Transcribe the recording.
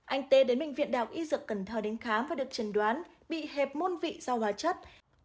anh tê đến bệnh viện đại học y dược thành thơ đến khám và được trần đoán bị hẹp môn vị do hóa chất